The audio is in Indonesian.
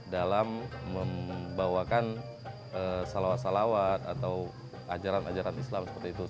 dalam membawakan salawat salawat atau ajaran ajaran islam seperti itu